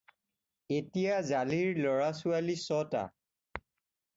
এতিয়া জালিৰ ল'ৰা-ছোৱালী ছটা।